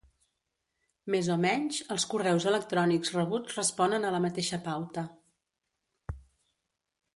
Més o menys, els correus electrònics rebuts responen a la mateixa pauta.